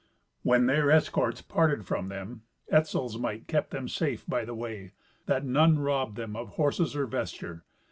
When their escorts parted from them, Etzel's might kept them safe by the way, that none robbed them of horses or vesture.